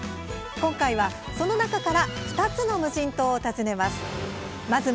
今回は、その中から２つの無人島を訪ねます。